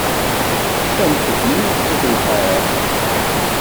Tusamt-d mi ifut lḥal.